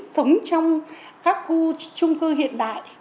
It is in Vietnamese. sống trong các khu trung cư hiện đại